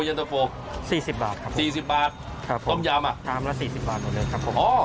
๔๐บาทครับครับผม๔๐บาทครับผมต้มยำอ่ะชามละ๔๐บาทหน่อยเลยครับผม